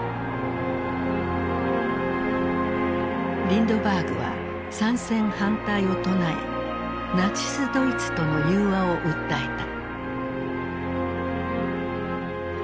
リンドバーグは参戦反対を唱えナチスドイツとの宥和を訴えた。